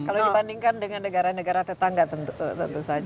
kalau dibandingkan dengan negara negara tetangga tentu saja